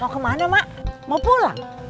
mau ke mana mak mau pulang